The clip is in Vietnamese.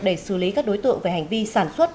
để xử lý các đối tượng về hành vi sản xuất